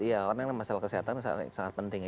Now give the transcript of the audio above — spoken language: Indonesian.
karena masalah kesehatan sangat penting